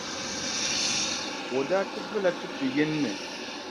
O daa ti dola tutuʼ yini ni.